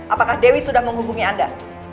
apakah dewi sudah menghubungi anda